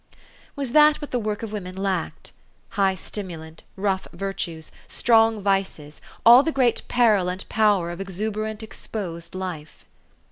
Was that what the work of women lacked? high stimulant, rough virtues, strong vices, all the great peril and power of exuberant, exposed h'fe